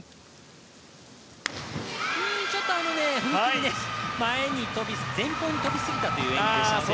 ちょっと踏み切り前方に飛びすぎたという演技でしたね。